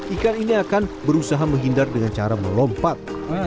ikan ini akan berusaha menghindar dengan cara melompat